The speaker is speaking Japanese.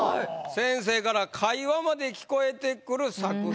先生から「会話まで聞こえて来る作品！」